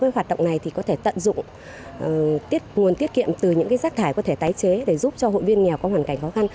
hoạt động này thì có thể tận dụng nguồn tiết kiệm từ những rác thải có thể tái chế để giúp cho hội viên nghèo có hoàn cảnh khó khăn